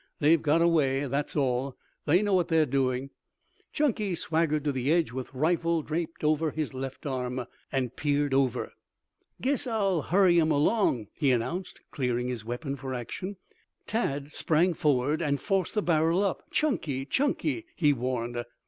"They've got away, that's all. They know what they're doing." Chunky swaggered to the edge with rifle dropped over his left arm, and peered over. "Guess I'll hurry 'em along," he announced, clearing his weapon for action. Tad sprang forward and forced the barrel up. "Chunky, Chunky!" he warned.